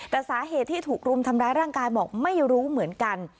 แต่สาเหตุที่ถูกรุมทำร้ายร่างกายบอกไม่รู้เหมือนกัน